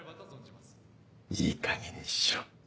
いいかげんにしろ。